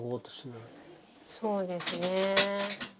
そうですね。